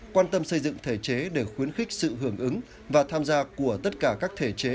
quan tâm xây dựng thể chế để khuyến khích sự hưởng ứng và tham gia của tất cả các thể chế